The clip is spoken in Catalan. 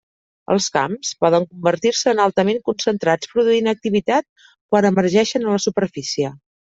Els camps poden convertir-se en altament concentrats, produint activitat quan emergeixen a la superfície.